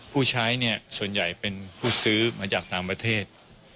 ผู้ใช้เนี่ยส่วนใหญ่เป็นผู้ซื้อมาจากต่างประเทศ